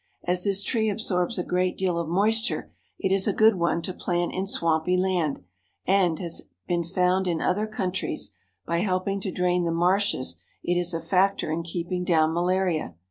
As this tree absorbs a great deal of moisture it is a good one to plant in swampy land, and, as has been found in other countries, by helping to drain the marshes it is a factor in keeping down malaria.